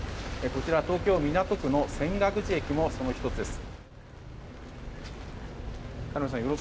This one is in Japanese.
こちら東京・港区の泉岳寺駅もその１つです。